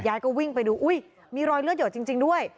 ก็วิ่งไปดูอุ้ยมีรอยเลือดหยดจริงด้วย